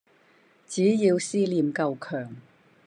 只要思念夠强